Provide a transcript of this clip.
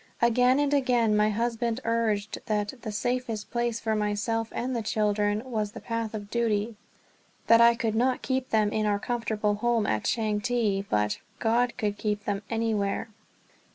Again and again my husband urged that "the safest place" for myself and the children "was the path of duty"; that I could not keep them in our comfortable home at Changte, but "God could keep them anywhere."